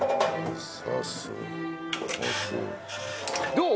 どう？